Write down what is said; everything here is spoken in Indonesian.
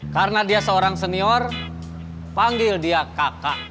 karena dia seorang senior panggil dia kakak